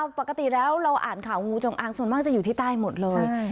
ปกติแล้วเราอ่านข่าวงูจงอางส่วนมากจะอยู่ที่ใต้หมดเลย